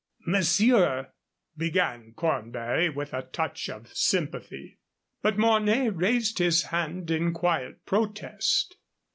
"Monsieur," began Cornbury, with a touch of sympathy. But Mornay raised his hand in quiet protest.